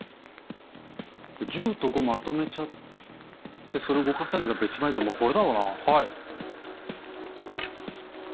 １０と５まとめちゃってそれ動かせんのがやっぱ一番いいからこれだろうなはい。